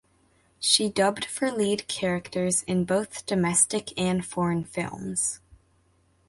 She dubbed for lead characters in both domestic and foreign films.